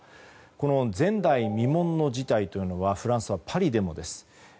この前代未聞の事態というのはフランスはパリでもです。